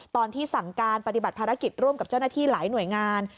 ตอนที่สั่งการปฏิบัติภารกิจร่วมกับเจ้าหน้าที่หลายหน่วยงาน